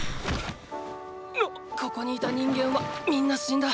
ここにいた人間はみんな死んだ。